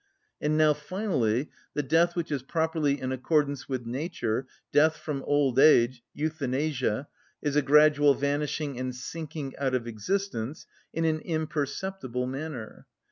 And now, finally, the death which is properly in accordance with nature, death from old age, euthanasia, is a gradual vanishing and sinking out of existence in an imperceptible manner.